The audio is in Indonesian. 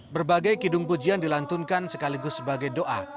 berbagai kidung pujian dilantunkan sekaligus sebagai doa